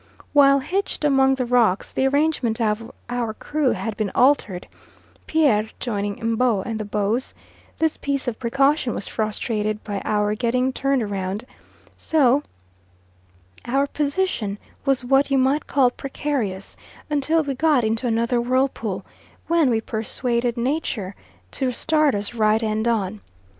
While hitched among the rocks the arrangement of our crew had been altered, Pierre joining M'bo in the bows; this piece of precaution was frustrated by our getting turned round; so our position was what you might call precarious, until we got into another whirlpool, when we persuaded Nature to start us right end on.